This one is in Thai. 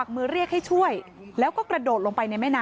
เมื่อเวลาอันดับ